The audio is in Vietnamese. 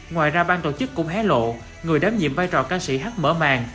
ngoài ra bang tổ chức cũng hé lộ người đám nhiệm vai trò ca sĩ h mở màng